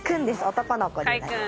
男の子になります。